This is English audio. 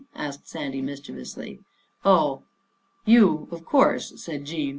" asked Sandy mischievously. " Oh, you, of course," said Jean.